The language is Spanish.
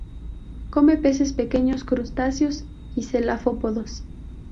Come peces pequeños, crustáceos y cefalópodos.